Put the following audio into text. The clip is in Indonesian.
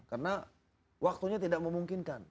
karena waktunya tidak memungkinkan